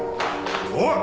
おい！